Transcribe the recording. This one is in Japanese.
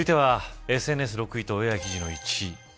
続いてはＳＮＳ、６位とＡＩ記事の１位。